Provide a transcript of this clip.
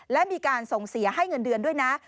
และมีการส่งเสียให้เงินเดือนด้วยนะ